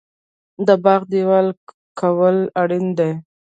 د باغ دیوال کول اړین دي؟